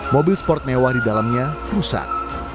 mobil sport mewah di dalamnya rusak